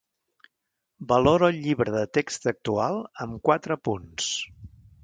valora el llibre de text actual amb quatre punts